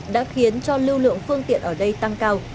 đã khiến cho lưu lượng phương tiện ở đây tăng cao